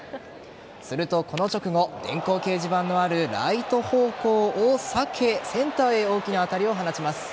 するとこの直後電光掲示板のあるライト方向を避けセンターへ大きな当たりを放ちます。